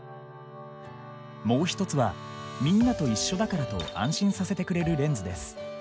もう一つは「みんなと一緒だから」と安心させてくれるレンズです。